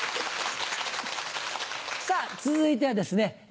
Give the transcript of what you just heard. さぁ続いてはですね